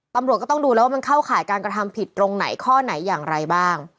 ตำรวจก็ต้องดูแล้วว่ามันเข้าข่ายการกระทำผิดตรงไหนข้อไหนอย่างไรบ้าง